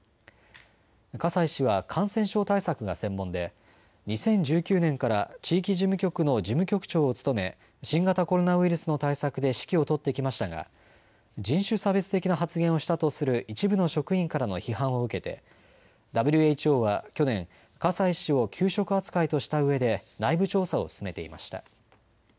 葛西氏は感染症対策が専門で２０１９年から地域事務局の事務局長を務め新型コロナウイルスの対策で指揮を執ってきましたが人種差別的な発言をしたとする一部の職員からの批判を受けＷＨＯは去年、葛西氏を休職扱いとしたうえで内部調査を進めていました。